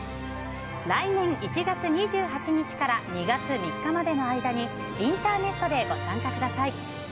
来年１月２８日から２月３日までの間にインターネットでご参加ください。